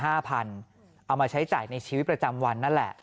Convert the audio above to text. เอามาใช้จ่ายในชีวิตประจำวันนั่นแหละ